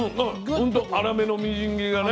ほんと粗めのみじん切りだね。